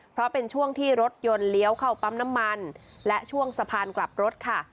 เพราะเป็นช่วงที่รถยนต์เลี้ยวเข้าปั๊มน้ำมันและช่วงสะพานกลับรถค่ะ